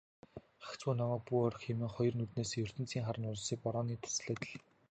"Гагцхүү намайг бүү орхи" хэмээн хоёр нүднээсээ ертөнцийн хар нулимсыг борооны дусал адил асгаруулна.